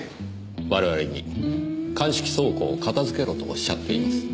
我々に鑑識倉庫を片づけろとおっしゃっています。